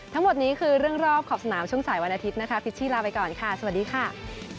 ทั้งหมดนี้คือเรื่องรอบขอบสนามช่วงสายวันอาทิตย์นะคะพิชชี่ลาไปก่อนค่ะสวัสดีค่ะ